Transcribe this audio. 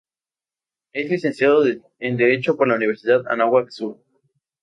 Es Licenciado en Derecho por la Universidad Anáhuac Sur.